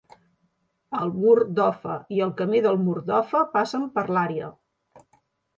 El mur d'Offa i el camí del mur d'Offa passen per l'àrea.